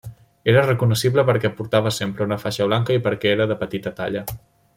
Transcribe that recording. Era recognoscible perquè portava sempre una faixa blanca i perquè era de petita talla.